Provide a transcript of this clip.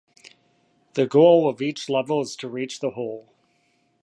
The goal of each level is to reach the hole.